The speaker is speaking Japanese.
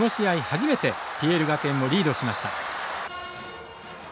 初めてＰＬ学園をリードしました。